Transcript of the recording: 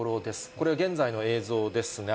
これ、現在の映像ですが。